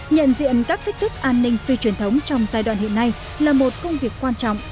nhận diện các thích thức an ninh phi truyền thống trong giai đoạn hiện nay là một công việc quan trọng